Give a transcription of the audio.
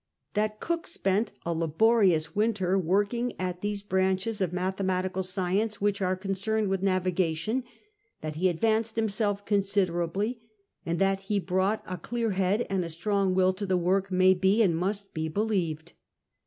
That Cook spent a laborious winter working at those branches of mathematical science which are concerned with navigation, that he advanced himself considerably, and that he brought a clear head and a strong will to the work, may be and must be believed.